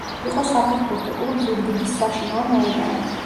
იყო საფეხბურთო კლუბ ზუგდიდის საშინაო მოედანი.